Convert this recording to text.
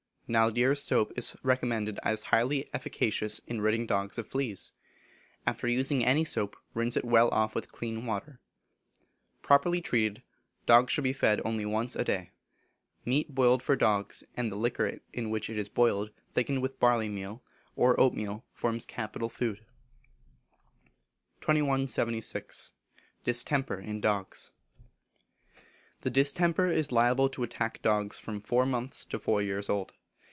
Naldire's soap is recommended as highly efficacious in ridding dogs of fleas. After using any soap rinse it well off with clean water. Properly treated, dogs should be fed only once a day. Meat boiled for dogs, and the liquor in which it is boiled thickened with barley meal, or oatmeal, forms capital food. 2176. Distemper in Dogs. The distemper is liable to attack dogs from four months to four years old.